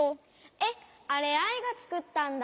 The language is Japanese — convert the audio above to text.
えっあれアイがつくったんだ！